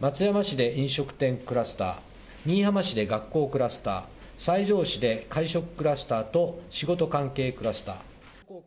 松山市で飲食店クラスター、新居浜市で学校クラスター、西条市で会食クラスターと仕事関係クラスター。